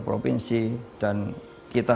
provinsi dan kita